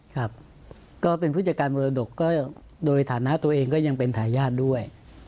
ครับก็เป็นผู้จัดการมรดกก็โดยฐานะตัวเองก็ยังเป็นทายาทด้วย